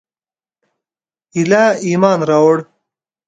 ایله ایمان راووړ.